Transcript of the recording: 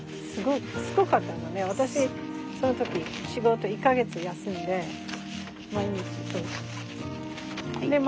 私その時仕事１か月休んで毎日掃除。